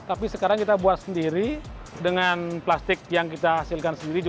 tapi sekarang kita buat sendiri dengan plastik yang kita hasilkan sendiri